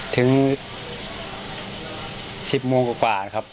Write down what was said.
ถึง๑๐โมงกว่านะครับ